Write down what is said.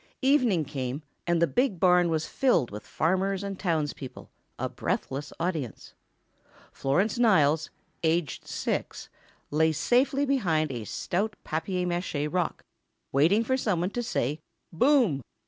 Evening came, and the big barn was filled with farmers and townspeople, a breathless audience. Florence Niles, aged six, lay safely behind a stout papier mâché rock, waiting for somebody to say "Boom!"